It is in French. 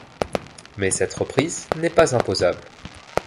Mais cette reprise n'est pas imposable.